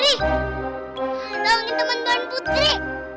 tolongin teman putri